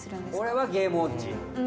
俺はゲームウオッチ。